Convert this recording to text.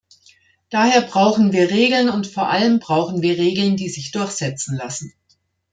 Daher brauchen wir Regeln, und vor allem brauchen wir Regeln, die sich durchsetzen lassen.